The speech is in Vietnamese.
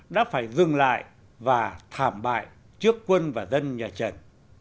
đã phải dừng lại và thảm bại trước quân và dân nhà trần